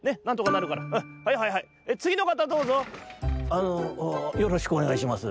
「あのよろしくおねがいします」。